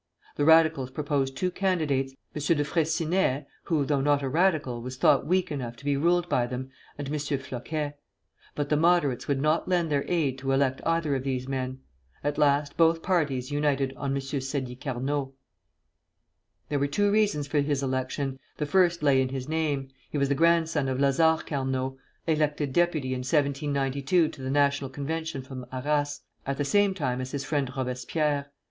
The Radicals proposed two candidates, M. De Freycinet, who, though not a Radical, was thought weak enough to be ruled by them, and M. Floquet. But the Moderates would not lend their aid to elect either of these men. At last both parties united on M. Sadi Carnot. [Illustration: PRESIDENT SADI CARNOT.] There were two reasons for his election: the first lay in his name; he was the grandson of Lazare Carnot, elected deputy in 1792 to the National Convention from Arras, at the same time as his friend Robespierre.